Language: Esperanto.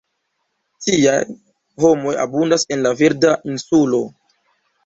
Tiaj homoj abundas en la Verda Insulo.